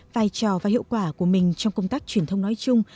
vai trò và hiệu quả của mình trong công tác truyền thông nói chung